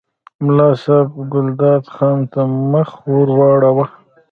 ملا صاحب ګلداد خان ته مخ ور واړاوه.